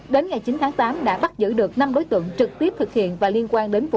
đến ngày chín tháng tám đã bắt giữ được năm đối tượng trực tiếp thực hiện và liên quan đến vụ